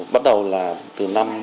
bắt đầu là từ năm